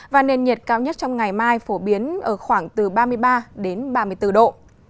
và nền nhiệt cao nhất trong ngày mai phổ biến ở khoảng từ ba mươi ba đến ba mươi bốn độ